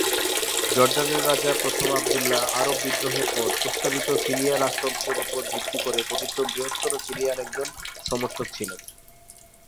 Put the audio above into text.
জর্ডানের রাজা প্রথম আবদুল্লাহ আরব বিদ্রোহের পর প্রস্তাবিত সিরিয়া রাজতন্ত্রের উপর ভিত্তি করে গঠিত বৃহত্তর সিরিয়ার একজন সমর্থক ছিলেন।